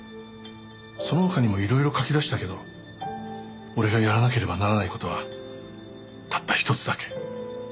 「その他にも色々書き出したけど俺がやらなければならないことはたった一つだけ」